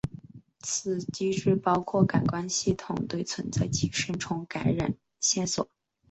此机制包括感官系统对存在寄生虫感染线索。